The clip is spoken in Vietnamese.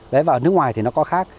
đấy và ở nước ngoài thì nó có khác